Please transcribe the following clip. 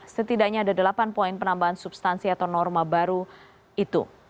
setidaknya ada delapan poin penambahan substansi atau norma baru itu